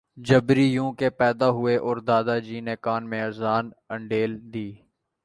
جبری یوں کہ ، پیدا ہوئے اور دادا جی نے کان میں اذان انڈیل دی